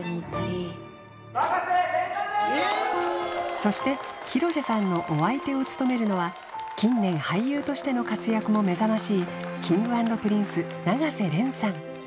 そして広瀬さんのお相手を務めるのは近年俳優としての活躍もめざましいＫｉｎｇ＆Ｐｒｉｎｃｅ永瀬廉さん